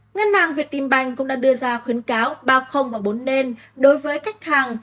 ngân hàng việt tìm bành cũng đã đưa ra khuyến cáo ba không và bốn nên đối với khách hàng